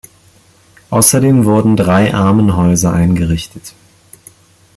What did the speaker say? Außerdem wurden drei Armenhäuser eingerichtet.